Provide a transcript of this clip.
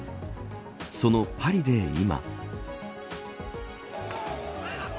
そのパリで、今。